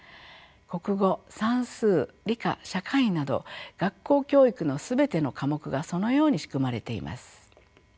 国語算数理科社会など学校教育の全ての科目がそのように仕組まれています。